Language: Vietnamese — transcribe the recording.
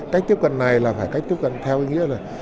cách tiếp cận này là phải cách tiếp cận theo ý nghĩa là